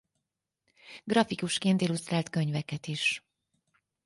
Grafikusként illusztrált könyveket is.